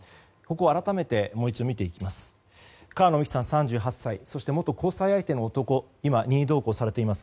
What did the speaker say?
改めてもう一度見ていきます。